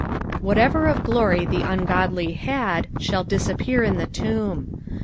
Whatever of glory Ibtt ungodly had shall disappear in the tomb.